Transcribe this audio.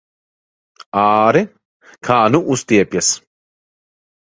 Āre, kā nu uztiepjas!